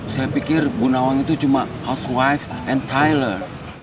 saya pikir bu nawang itu cuma housewife and tailor